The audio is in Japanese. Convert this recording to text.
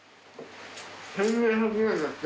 １，２００円だって。